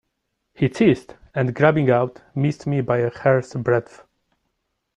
He ceased, and, grabbing out, missed me by a hair's breadth.